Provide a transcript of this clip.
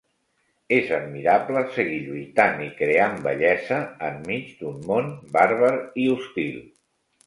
És admirable seguir lluitant i creant bellesa enmig d'un món bàrbar i hostil.